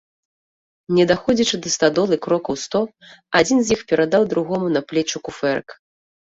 Не даходзячы да стадолы крокаў сто, адзін з іх перадаў другому на плечы куфэрак.